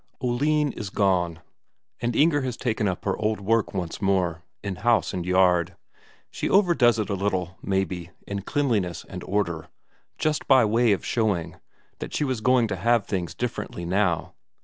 Oline is gone, and Inger has taken up her old work once more, in house and yard. She overdoes it a little, maybe, in cleanliness and order, just by way of showing that she was going to have things differently now.